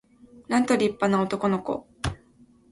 なんと立派な男の子